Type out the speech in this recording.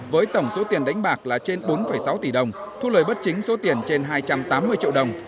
với tổng số tiền đánh bạc là trên bốn sáu tỷ đồng thu lời bất chính số tiền trên hai trăm tám mươi triệu đồng